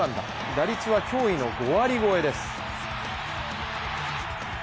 打率は驚異の５割超えです。